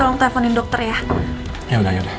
ulang tahunnya dirayain dua kali